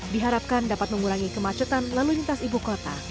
diharapkan dapat mengurangi kemacetan lalu lintas ibu kota